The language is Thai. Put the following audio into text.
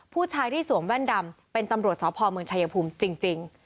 ผู้ชายที่สวมแว่นดำเป็นตำรวจสพเมืองชายภูมิจริง